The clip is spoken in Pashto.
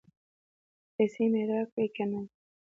پیسې مې راکړې که نه؟